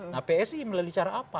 nah psi melalui cara apa